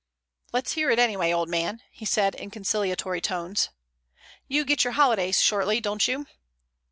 "Let's hear it anyway, old man," he said in conciliatory tones. "You get your holidays shortly, don't you?"